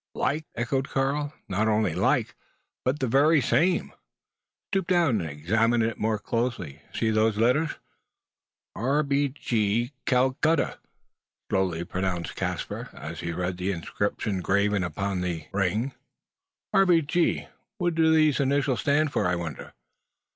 "Like!" echoed Karl. "Not only like, but the very same! Stoop down, and examine it more closely. You see those letters?" "R.B.G., Calcutta," slowly pronounced Caspar, as he read the inscription graven upon the ring. "`_R.B.G_.' What do these initials stand for, I wonder?"